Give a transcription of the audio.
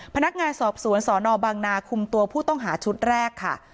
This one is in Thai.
พนักงานสอบสวนสนบังนาคุมตัวผู้ต้องหาชุดแรกค่ะ